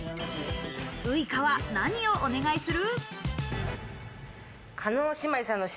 ウイカは何をお願いする？